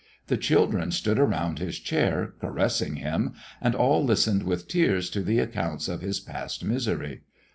The children stood around his chair, caressing him, and all listened with tears to the accounts of his past misery.